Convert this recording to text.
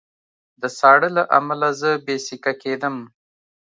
د ساړه له امله زه بې سېکه کېدم